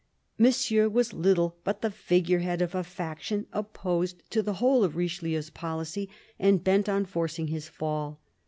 Monsieur was little but the figure head of a faction opposed to the whole of Richelieu's policy and bent on forcing his fall.